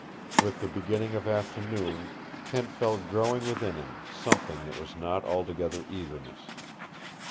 With the beginning of afternoon Kent felt growing within him something that was not altogether eagerness.